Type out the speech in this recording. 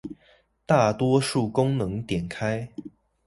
大多數功能點開